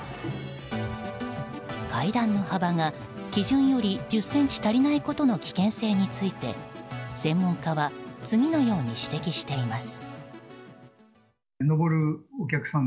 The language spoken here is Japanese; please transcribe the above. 階段の幅が基準より１０ｃｍ足りないことの危険性について専門家は次のように指摘しています。